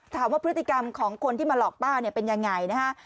ถามว่าพฤติกรรมของคนที่มาหลอกป้าเนี่ยเป็นยังไงนะฮะ